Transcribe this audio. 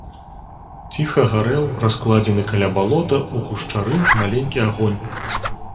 Ціха гарэў раскладзены каля балота ў гушчары маленькі агонь.